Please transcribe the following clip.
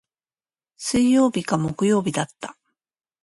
水曜日か木曜日だった。